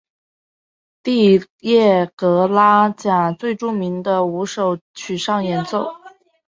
蒂亚格拉贾最著名的五首曲上演奏。